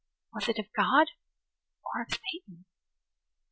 Was it of God! Or of Satan?